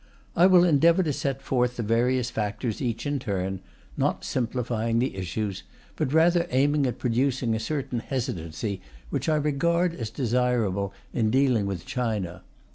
I will endeavour to set forth the various factors each in turn, not simplifying the issues, but rather aiming at producing a certain hesitancy which I regard as desirable in dealing with China.